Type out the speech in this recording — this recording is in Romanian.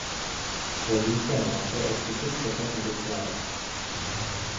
Poziția noastră este cât se poate de clară.